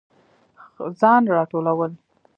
ځان راټولول